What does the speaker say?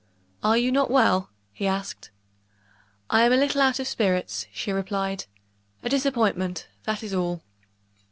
"Are you not well?" he asked. "I am a little out of spirits," she replied. "A disappointment that is all."